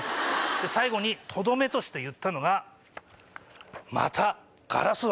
最後にとどめとして言ったのが。